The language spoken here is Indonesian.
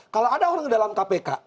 kalau ada orang di dalam kpk